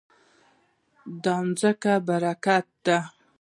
دا ځمکه برکتي ده.